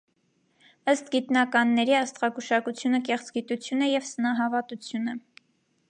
Ըստ գիտնականների, աստղագուշակությունը կեղծ գիտություն է և սնահավատություն է։